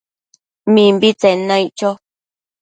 Mimbitsen naic cho